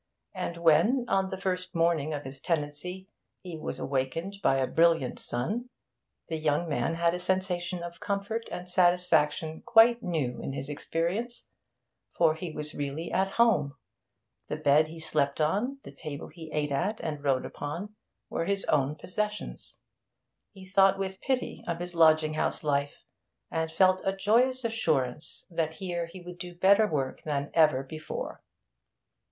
And when, on the first morning of his tenancy, he was awakened by a brilliant sun, the young man had a sensation of comfort and satisfaction quite new in his experience; for he was really at home; the bed he slept on, the table he ate at and wrote upon, were his own possessions; he thought with pity of his lodging house life, and felt a joyous assurance that here he would do better work than ever before.